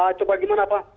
itu bagaimana pak